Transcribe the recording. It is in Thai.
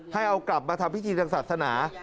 ให้เอากลับมาทำพิธีทางศาสนา